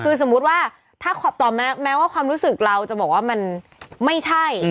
คือสมมุติว่าถ้าต่อแม้ว่าความรู้สึกเราจะบอกว่ามันไม่ใช่